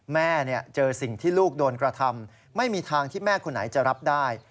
แม่เจอสิ่งที่ลูกโดนกระทำไม่มีทางที่แม่คนไหนจะรับได้